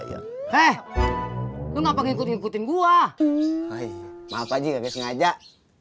hai lu ngapain ikut ikutin gua hai maaf aja nggak bisa ngajak